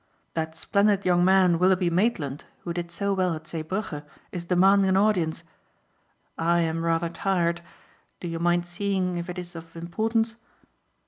"That splendid young man Willoughby Maitland who did so well at Zeebrugge is demanding an audience. I am rather tired. Do you mind seeing if it is of importance?"